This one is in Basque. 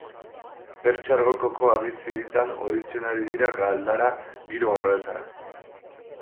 Pertsiar Golkoko anitz hiritan ohitzen ari dira galdara giro horretara.